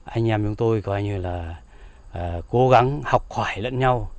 anh em chúng tôi coi như là cố gắng học hỏi lẫn nhau